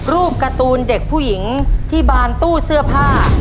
การ์ตูนเด็กผู้หญิงที่บานตู้เสื้อผ้า